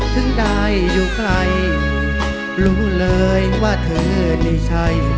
ถึงได้อยู่ใครรู้เลยว่าเธอนี่ใช่